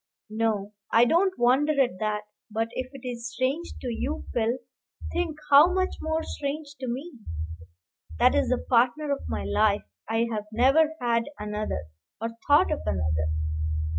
"No. I don't wonder at that; but if it is strange to you, Phil, think how much more strange to me! That is the partner of my life. I have never had another, or thought of another.